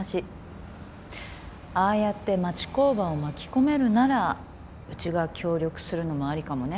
ああやって町工場を巻き込めるならうちが協力するのもありかもね。